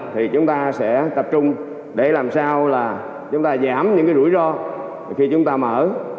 thì chúng ta sẽ tập trung để làm sao là chúng ta giảm những rủi ro khi chúng ta mở